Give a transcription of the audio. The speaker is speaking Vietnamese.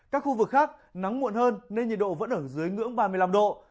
các khu vực khác nắng muộn hơn nên nhiệt độ vẫn ở dưới ngưỡng ba mươi năm độ